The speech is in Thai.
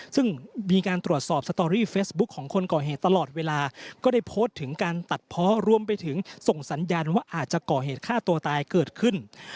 ซึ่งมีการตรวจสอบสตอรี่เฟซบุ๊คของคนก่อเหตุตลอดเวลาก็ได้โพสต์ถึงการตัดเพาะรวมไปถึงส่งสัญญาณว่าอาจจะก่อเหตุฆ่าตัวตายเกิดขึ้น